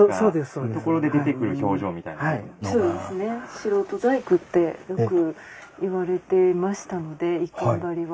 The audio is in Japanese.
素人細工ってよく言われていましたので一閑張は。